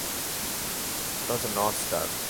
ওটা হচ্ছে north star!